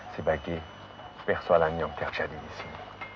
sebagai persoalan yang terjadi di sini